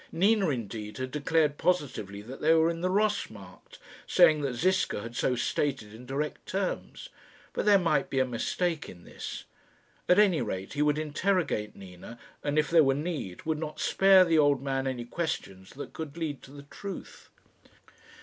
Nina, indeed, had declared positively that they were in the Ross Markt, saying that Ziska had so stated in direct terms; but there might be a mistake in this. At any rate he would interrogate Nina, and if there were need, would not spare the old man any questions that could lead to the truth.